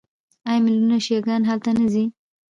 آیا میلیونونه شیعه ګان هلته نه ځي؟